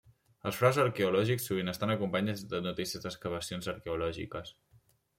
Els fraus arqueològics sovint estan acompanyats de notícies d'excavacions arqueològiques.